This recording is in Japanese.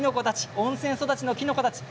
温泉育ちのきのこたち